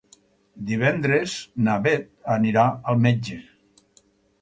Divendres na Bet anirà al metge.